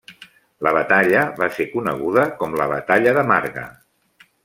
La batalla va ser coneguda com la Batalla de Marga.